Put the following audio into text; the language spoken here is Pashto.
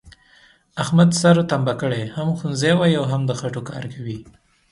احمد سر تمبه کړی، هم ښوونځی وایي او هم د خټوکار کوي،